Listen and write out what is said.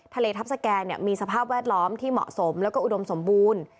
ทะเลทัพสแกนมีสภาพแวดล้อมที่เหมาะสมแล้วก็อุดมสมบูรณ์